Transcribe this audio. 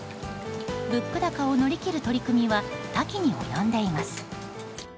物価高を乗り切る取り組みは多岐に及んでいます。